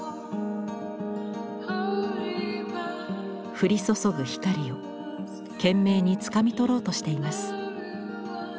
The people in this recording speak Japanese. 降り注ぐ光を懸命につかみ取ろうとしています。